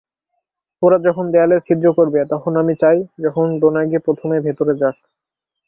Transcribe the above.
ওরা যখন দেয়ালে ছিদ্র করবে, তখন আমি চাই তখন ডোনাগি প্রথমে ভেতরে যাক।